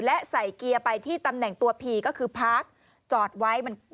และใส่เกียร์ไปที่ตำแหน่งตัวผีก็คือพาร์คจอดไว้